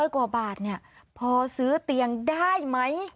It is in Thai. ๕๐๐กว่าบาทเนี่ยพอซื้อเตียงได้ไหม